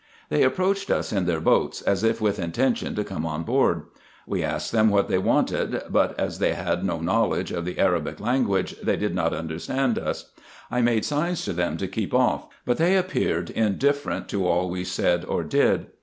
They approached us in their boats, as if with intention to come on board. We asked them what they wanted ; but, as they had no knowledge of the Arabic language, they did not understand us. I made signs to them to keep off; but they appeared indifferent to all we said or did.